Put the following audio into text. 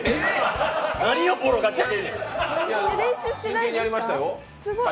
何をボロ勝ちしてんねん。